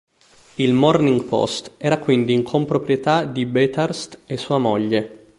Il "Morning Post" era quindi in comproprietà di Bathurst e sua moglie.